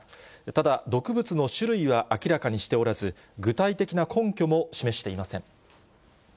ただ、毒物の種類は明らかにしておらず、具体的な根拠も示していません。